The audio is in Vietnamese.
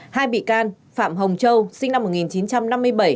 hai bị can phạm hồng châu sinh năm một nghìn chín trăm năm mươi bảy